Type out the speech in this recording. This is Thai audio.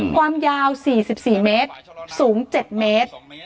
ความยาว๔๔เมตรสูง๗เมตร